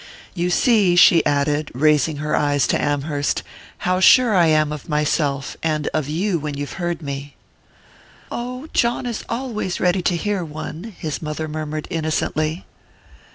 You see," she added, raising her eyes to Amherst, "how sure I am of myself and of you, when you've heard me." "Oh, John is always ready to hear one," his mother murmured innocently.